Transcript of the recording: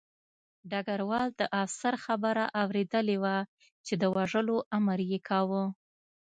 ډګروال د افسر خبره اورېدلې وه چې د وژلو امر یې کاوه